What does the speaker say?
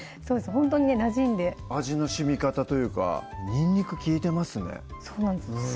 ほんとになじんで味のしみ方というかにんにく利いてますねそうなんです